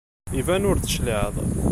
Iban ur d-tecliɛeḍ.